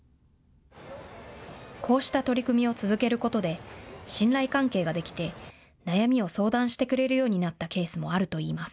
こうした取り組みを続けることで信頼関係ができて、悩みを相談してくれるようになったケースもあるといいます。